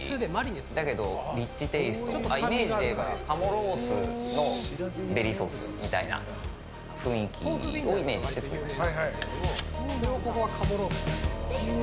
だけどニッチテイストイメージで言えば鴨ロースのベリーソースみたいな雰囲気をイメージして作りました。